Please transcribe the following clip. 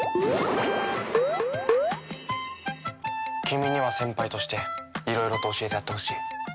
君には先輩としていろいろと教えてやってほしい。